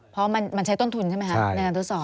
เพราะมันใช้ต้นทุนใช่ไหมคะในการทดสอบ